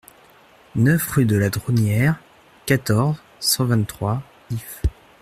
neuf rue de la Dronnière, quatorze, cent vingt-trois, Ifs